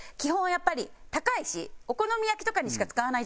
やっぱり高いしお好み焼きとかにしか使わないじゃないですか。